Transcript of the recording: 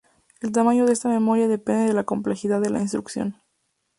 El tamaño de esta memoria depende de la complejidad de la instrucción.